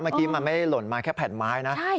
เมื่อกี้มันไม่ได้หล่นมาแค่แผ่นไม้นะ